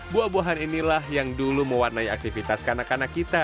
buah buahan inilah yang dulu mewarnai aktivitas kanak kanak kita